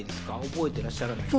覚えてらっしゃらない？